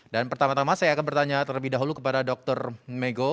dan pertama tama saya akan bertanya terlebih dahulu kepada dr megho